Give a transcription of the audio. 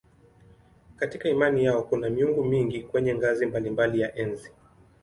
Katika imani yao kuna miungu mingi kwenye ngazi mbalimbali ya enzi.